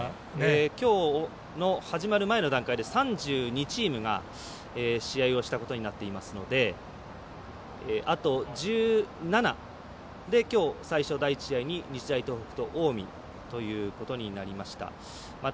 きょうの始まる前の段階で３２チームが試合をしたことになっていますのであと１７きょう最初の第１試合で日大東北と近江ということになりました。